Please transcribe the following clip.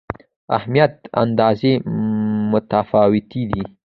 اهمیت اندازې متفاوتې دي.